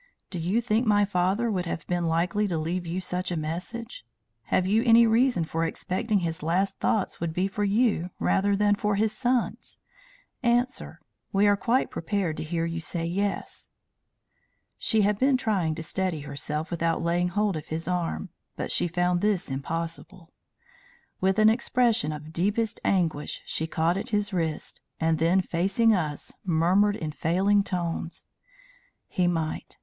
Do you think my father would be likely to leave you such a message? Have you any reason for expecting his last thoughts would be for you, rather than for his sons? Answer; we are quite prepared to hear you say Yes." She had been trying to steady herself without laying hold of his arm. But she found this impossible. With an expression of deepest anguish she caught at his wrist, and then facing us, murmured in failing tones: "He might.